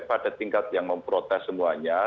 pada tingkat yang memprotes semuanya